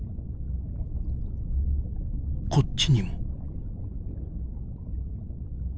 こっちにも。